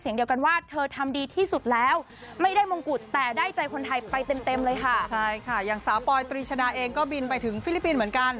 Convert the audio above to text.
นาเองก็บินไปถึงฟิลิปปินเหมือนกัน